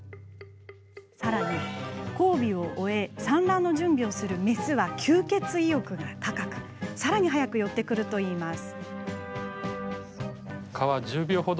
さらに、交尾を終え産卵の準備をするメスは吸血意欲が高くさらに早く寄ってくるといいます。